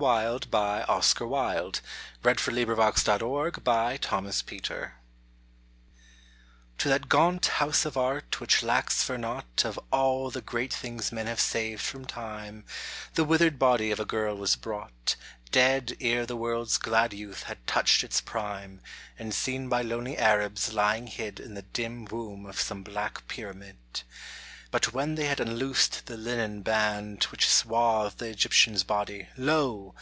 The kingfisher flies like an arrow, and wounds the air. ATHANASIA Tthat gaunt House of Art which lacks for naught Of all the great things men have saved from Time, The withered body of a girl was brought Dead ere the world's glad youth had touched its prime, And seen by lonely Arabs lying hid In the dim womb of some black pyramid. But when they had unloosed the linen band Which swathed the Egyptian's body, — lo!